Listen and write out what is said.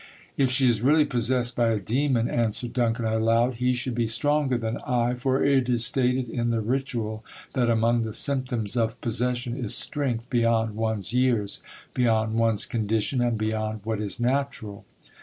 "If she is really possessed by a demon," answered Duncan aloud, "he should be stronger than I; for it is stated in the ritual that among the symptoms of possession is strength beyond one's years, beyond one's condition, and beyond what is natural."